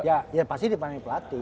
ya pasti ditemani pelatih